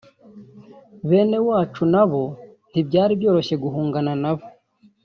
Bene wacu na bo ntibyari byoroshye guhungana na bo